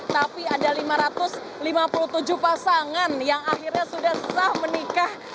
tapi ada lima ratus lima puluh tujuh pasangan yang akhirnya sudah sah menikah